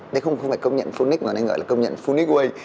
đấy không phải công nhận phunix mà nên gọi là công nhận phunixway